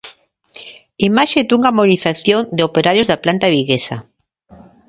Imaxe dunha mobilización de operarios da planta viguesa.